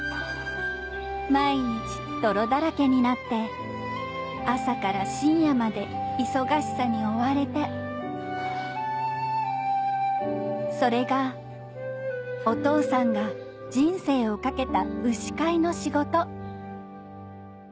毎日泥だらけになって朝から深夜まで忙しさに追われてそれがお父さんが人生を懸けた牛飼いの仕事